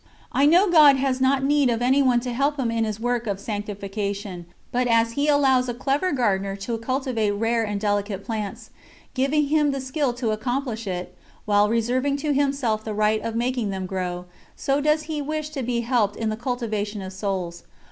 I know God has not need of anyone to help Him in His work of sanctification, but as He allows a clever gardener to cultivate rare and delicate plants, giving him the skill to accomplish it, while reserving to Himself the right of making them grow, so does He wish to be helped in the cultivation of souls.